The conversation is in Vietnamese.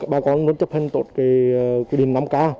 bà con muốn chấp hình tốt quy định năm k